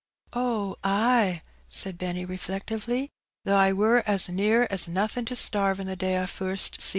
Oh, ay,'' said Benny, reflectively, "though I wur as near as nothin' to starvin', the day I fust seed you.